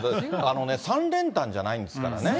３連単じゃないんですからね。